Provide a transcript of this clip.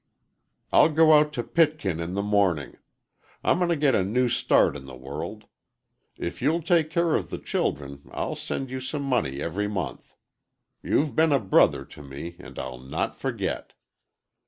"I'll go out to Pitkin in the morning. I'm going to get a new start in the world. If you'll take care of the children I'll send you some money every month. You've been a brother to me, and I'll not forget."